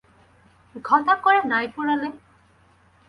ঘটা করে নাই পোড়ালে?